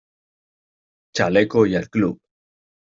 ¡ chaleco y al club!